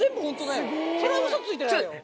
これウソついてないよ。